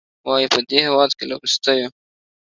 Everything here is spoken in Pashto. وايي، په دې هېواد کې له وروستیو